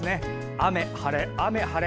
雨、晴れ、雨、晴れ。